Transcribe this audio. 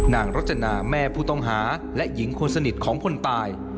รจนาแม่ผู้ต้องหาและหญิงคนสนิทของคนตาย